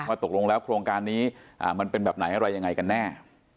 ตกลงแล้วโครงการนี้มันเป็นแบบไหนอะไรยังไงกันแน่